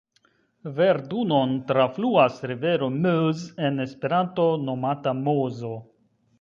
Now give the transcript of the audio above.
Verdun-on trafluas rivero Meuse, en Esperanto nomata Mozo.